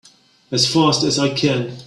As fast as I can!